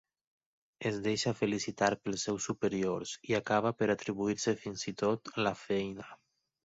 Es deixa felicitar pels seus superiors, i acaba per atribuir-se fins i tot la feina.